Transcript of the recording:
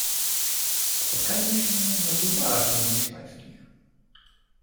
Spotkajmy się na bulwarach nadwiślańskich.